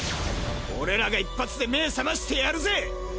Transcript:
俺らが一発で目ぇ覚ましてやるぜ！